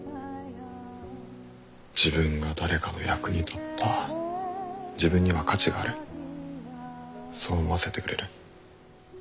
自分が誰かの役に立った自分には価値があるそう思わせてくれる。